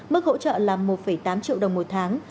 mức hỗ trợ là một tám triệu đồng một tháng